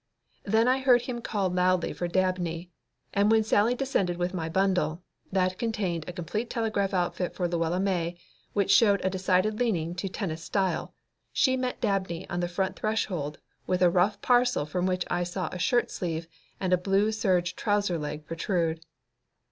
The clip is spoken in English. Then I heard him call loudly for Dabney, and when Sallie descended with my bundle, that contained a complete telegraphic outfit for Luella May which showed a decided leaning to tennis style, she met Dabney on the front threshold with a rough parcel from which I saw a shirt sleeve and a blue serge trouser leg protrude.